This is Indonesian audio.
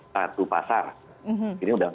satu pasar ini sudah